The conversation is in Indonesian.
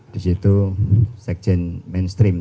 disitu sekjen mainstream